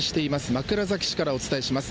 枕崎市からお伝えします。